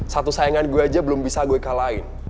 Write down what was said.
satu sayangan gue aja belum bisa gue kalahin